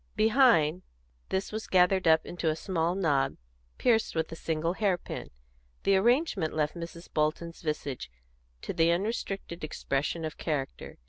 Behind, this was gathered up into a small knob pierced with a single hair pin; the arrangement left Mrs. Bolton's visage to the unrestricted expression of character.